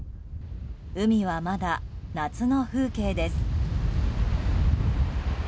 海はまだ夏の風景です。